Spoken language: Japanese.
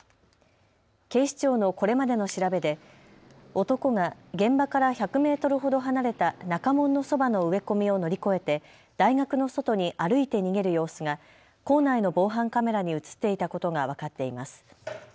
警視庁のこれまでの調べで男が現場から１００メートルほど離れた中門のそばの植え込みを乗り越えて大学の外に歩いて逃げる様子が校内の防犯カメラに写っていたことが分かっています。